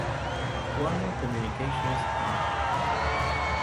Warner Communications Inc.